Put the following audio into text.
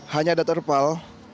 hanya ada terpal